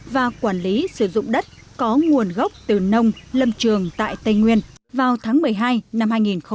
và quản lý sử dụng đất có nguồn gốc từ nông lâm trường tại tây nguyên vào tháng một mươi hai năm hai nghìn một mươi chín